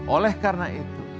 oleh karena itu